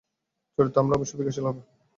চরিত্রে আমরা অবশ্যই বিকাশশীল হইব।